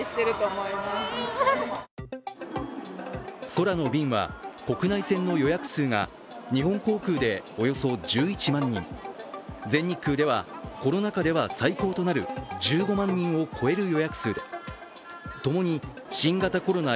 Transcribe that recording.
空の便は、国内線の予約数が日本航空でおよそ１１万人全日空ではコロナ禍では最高となる１５万人を超える予約数で共に新型コロナ